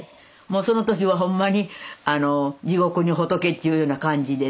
もうその時はほんまに地獄に仏っちゅうような感じでね。